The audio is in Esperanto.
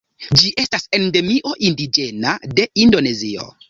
Ĝi estas endemio indiĝena de Indonezio.